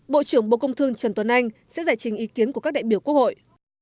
bộ trưởng bộ công thương trần tuấn anh sẽ giải trình ý kiến của các đại biểu quốc hội